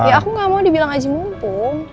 ya aku gak mau dibilang aji mumpung